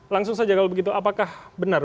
langsung saja kalau begitu apakah benar